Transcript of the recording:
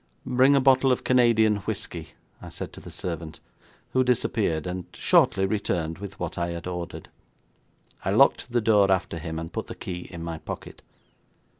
'Bring a bottle of Canadian whisky,' I said to the servant, who disappeared, and shortly returned with what I had ordered. I locked the door after him, and put the key in my pocket.